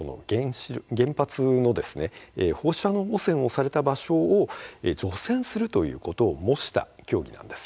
原発の放射能汚染をされた場所を除染するということを模した競技なんですよ。